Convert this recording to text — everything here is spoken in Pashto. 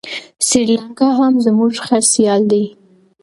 سریلانکا هم زموږ ښه سیال دی.